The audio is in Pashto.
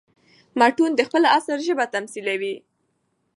متون د خپل عصر ژبه تميثلوي.